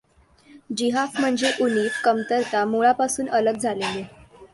ज़िहाफ म्हणजे उणीव, कमतरता, मुळापासून अलग झालेले.